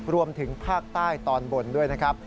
รวมถึงภาคใต้ตอนบนด้วยนะครับ